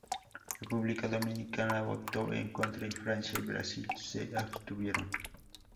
República Dominicana voto en contra y Francia y Brasil se abstuvieron.